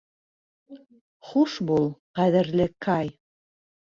Хуш бул, ҡәҙерле Кай.